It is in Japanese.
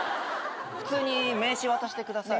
普通に名刺渡してください。